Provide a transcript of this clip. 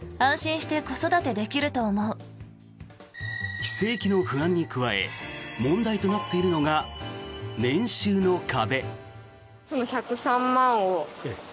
非正規の不安に加え問題となっているのが年収の壁。